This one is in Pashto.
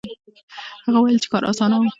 هغه وویل چې کار اسانه و.